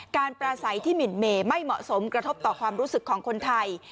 ปราศัยที่หมินเมย์ไม่เหมาะสมกระทบต่อความรู้สึกของคนไทย